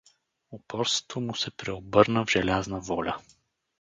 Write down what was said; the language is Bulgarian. Упорството му се преобърна в желязна воля.